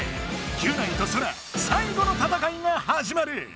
ギュナイとソラ最後の戦いがはじまる！